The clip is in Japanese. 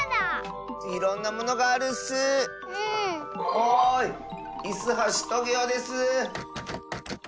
おいイスはしトゲオです。